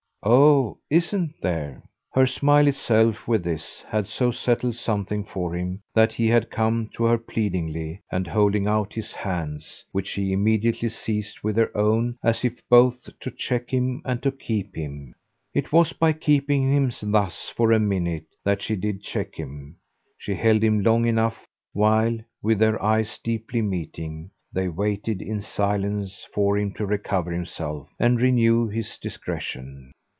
"Oh ISN'T there?" Her smile itself, with this, had so settled something for him that he had come to her pleadingly and holding out his hands, which she immediately seized with her own as if both to check him and to keep him. It was by keeping him thus for a minute that she did check him; she held him long enough, while, with their eyes deeply meeting, they waited in silence for him to recover himself and renew his discretion.